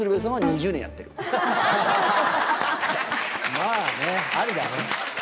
まぁねありだね。